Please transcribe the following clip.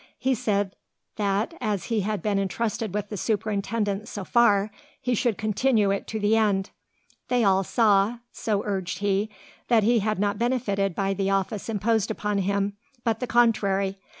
He said that, as he had been intrusted with the superintendence so far, he should continue it to the end. They all saw, so urged he, that he had not benefited by the office imposed upon him; but the contrary.